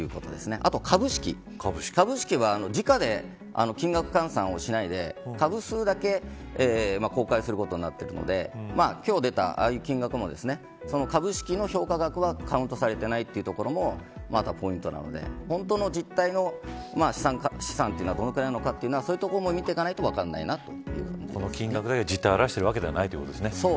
あと株式は時価で金額を換算しないで株数だけ公開することになってるので今日出た、ああいう金額も株式の評価額はカウントされていないというところもまたポイントなので本当の実態の資産というのはどのくらいかということはそういうところも見ないと分からないですね。